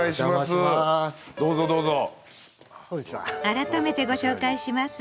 改めてご紹介します。